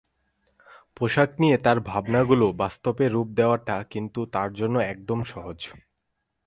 পোশাক নিয়ে তাঁর ভাবনাগুলো বাস্তবে রূপ দেওয়াটা কিন্তু তাঁর জন্য একদম সহজ।